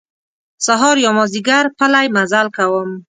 سهار یا مازیګر پلی مزل کوم.